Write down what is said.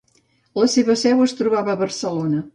La seva seu es trobava a Barcelona.